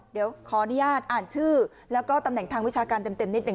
เดี๋ยวขออนุญาตอ่านชื่อแล้วก็ตำแหน่งทางวิชาการเต็มนิดหนึ่ง